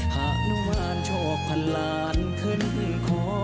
ฮานุมานชอบพันลานขึ้นขอ